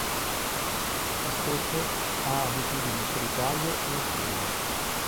La specie ha abitudini solitarie e notturne.